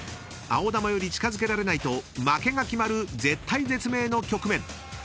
［青球より近づけられないと負けが決まる絶体絶命の局面］